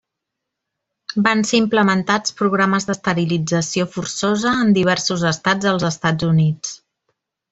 Van ser implementats programes d'esterilització forçosa en diversos estats als Estats Units.